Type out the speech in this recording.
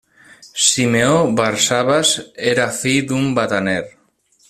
Simeó bar Sabas era fill d'un bataner.